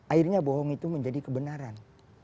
akhirnya bohong itu menjadi kebenaran